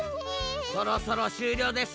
そろそろしゅうりょうでっせ。